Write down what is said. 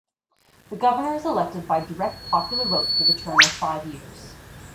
The governor is elected by direct popular vote for the term of five years.